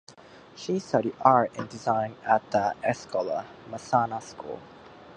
She studied Art and Design at the Escola Massana school.